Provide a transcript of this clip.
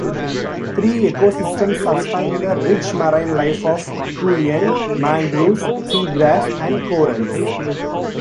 Three ecosystems sustain the rich marine life of Culion: mangroves, seagrass, and corals.